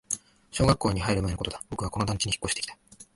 小学校に入る前のことだ、僕はこの団地に引っ越してきた